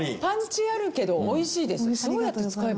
パンチあるけどおいしいです。